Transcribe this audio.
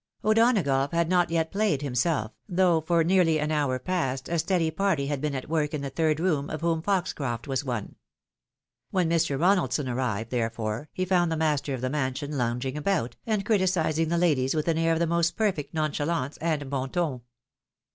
O'Donagough had not yet played himself, though for nearly an hour past a steady party had been at work in the third room of whom Foxcroft was one. When Mr. Ronaldson arrived, therefore, he found the master of the mansion lounging about, 358 THE WIDOW MARRIED. and criticising the ladies with an air of the most perfect noncha lance and ban ton.